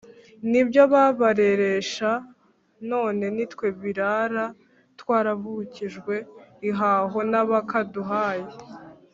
n’ibyo babareresha none nitwe birara twaravukijwe ihaho n’abakaduhaye